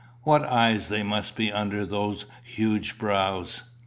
What eyes they must be under those huge brows!